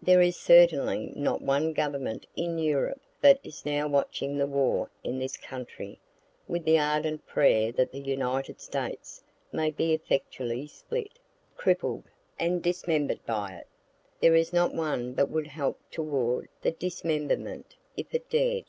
There is certainly not one government in Europe but is now watching the war in this country, with the ardent prayer that the United States may be effectually split, crippled, and dismember'd by it. There is not one but would help toward that dismemberment, if it dared.